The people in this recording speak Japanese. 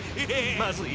まずい。